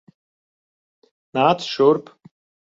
Nāc šurp.